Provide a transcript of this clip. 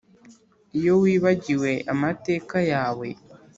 iyo wibagiwe amateka yawe